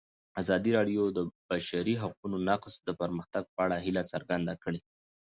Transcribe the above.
ازادي راډیو د د بشري حقونو نقض د پرمختګ په اړه هیله څرګنده کړې.